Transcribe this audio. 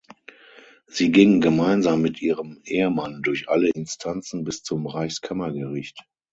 Sie ging gemeinsam mit ihrem Ehemann durch alle Instanzen bis zum Reichskammergericht.